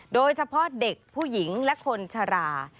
โดยเฉพาะเด็กผู้หญิงและคนชรา